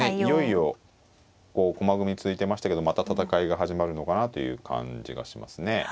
いよいよこう駒組み続いてましたけどまた戦いが始まるのかなという感じがしますね。